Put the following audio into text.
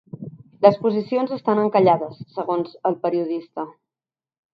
Les posicions estan encallades, segons el periodista.